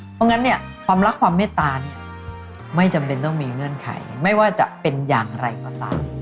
เพราะงั้นเนี่ยความรักความเมตตาเนี่ยไม่จำเป็นต้องมีเงื่อนไขไม่ว่าจะเป็นอย่างไรก็ตาม